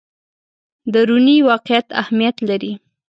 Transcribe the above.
دروني واقعیت اهمیت لري.